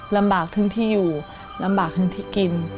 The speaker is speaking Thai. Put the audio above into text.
ลำบากทั้งที่อยู่ลำบากทั้งที่กิน